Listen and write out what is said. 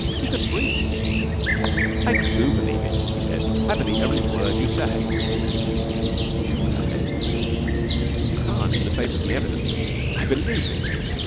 He could breathe. 'I do believe it,' he said. 'I believe every word you say.' She shook her head. 'You can't in the face of the evidence.' 'I believe it.'